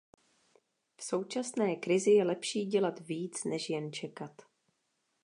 V současné krizi je lepší dělat víc, než jen čekat.